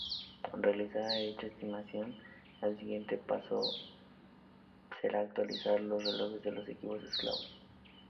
Realizada dicha estimación, el siguiente paso será actualizar los relojes de los equipos esclavos.